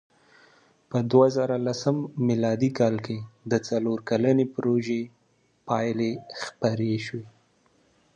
په دوهزرهلسم مېلادي کال کې د څلور کلنې پروژې پایلې خپرې شوې.